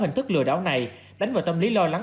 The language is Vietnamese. hình thức lừa đảo này đánh vào tâm lý lo lắng